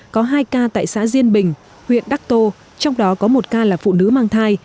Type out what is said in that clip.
có hai ca tại xã diên bình huyện đắc tô trong đó có một ca là phụ nữ mang thai